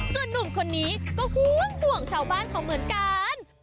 ส่วนหนุ่มคนนี้ก็ห่วงห่วงชาวบ้านเขาเหมือนกัน